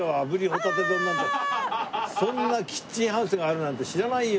そんなキッチンハウスがあるなんて知らないよ